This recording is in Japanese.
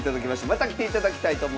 また来ていただきたいと思います。